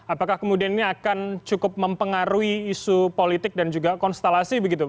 apakah kemudian ini akan cukup mempengaruhi isu politik dan juga konstelasi begitu